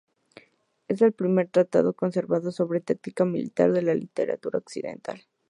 Es el primer tratado conservado sobre táctica militar de la literatura occidental.